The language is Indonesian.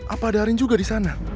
apa ada arin juga di sana